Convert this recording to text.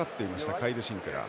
カイル・シンクラー。